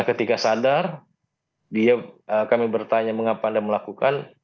ketika sadar kami bertanya mengapa anda melakukan